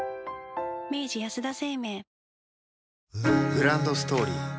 グランドストーリー